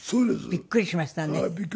びっくりしました。